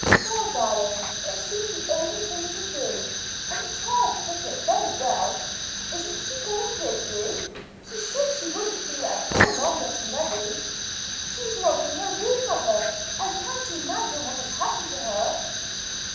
"Well, darling, it seemed the only thing to do; and the child took it very well. Isn't she going with you? She said she wouldn't be at all long getting ready." "She is not in her room, mother. I can't imagine what has happened to her."